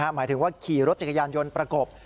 หมายถึงว่าขี่รถจักรยานยนต์ประกบ